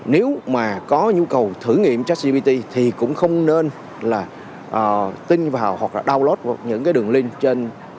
nếu mà có nhu cầu thử nghiệm cho gpt thì cũng không nên là tin vào hoặc là download những cái đường link trên